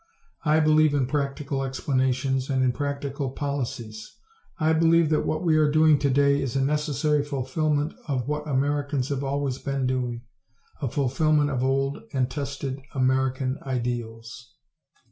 I believe in practical explanations and in practical policies. I believe that what we are doing today is a necessary fulfillment of what Americans have always been doing a fulfillment of old and tested American ideals.